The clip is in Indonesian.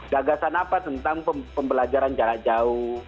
gagasan apa tentang pembelajaran jarak jauh